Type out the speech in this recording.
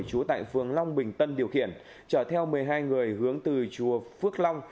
trú tại phương long bình tân điều khiển trở theo một mươi hai người hướng từ chùa phước long